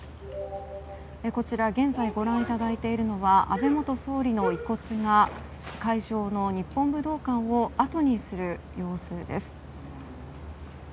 現在ご覧いただいているのは安倍元総理の遺骨が会場の日本武道館を後にする様子です。